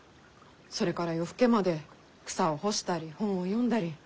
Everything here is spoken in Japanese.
それから夜更けまで草を干したり本を読んだり。